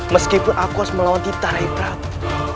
meskipun aku harus melawan tita raih prabu